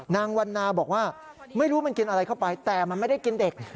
นางวันนาบอกว่าไม่รู้มันกินอะไรเข้าไปแต่มันไม่ได้กินเด็ก